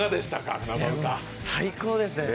最高ですね。